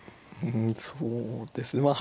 うんそうですね